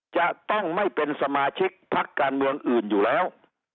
จะต้องไม่เป็นสมาชิกพักการเมืองอื่นอยู่แล้ว